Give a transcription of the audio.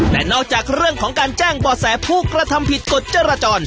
แต่นอกจากเรื่องของการแจ้งบ่อแสผู้กระทำผิดกฎจราจร